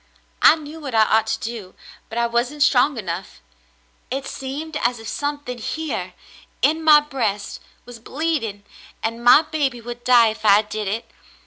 I knew what I ought to do, but I wasn't strong enough. It seemed as if something here in my breast was bleeding, and my baby would die if I did it.